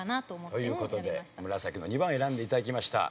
という事で紫の２番を選んで頂きました。